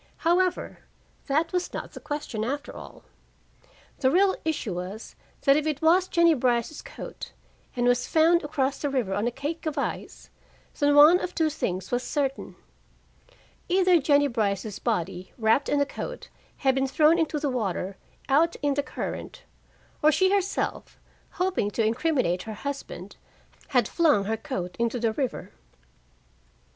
However, that was not the question, after all. The real issue was that if it was Jennie Brice's coat, and was found across the river on a cake of ice, then one of two things was certain: either Jennie Brice's body wrapped in the coat had been thrown into the water, out in the current, or she herself, hoping to incriminate her husband, had flung her coat into the river.